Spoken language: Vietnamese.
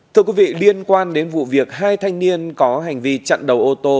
thưa quý vị liên quan đến vụ việc hai thanh niên có hành vi chặn đầu ô tô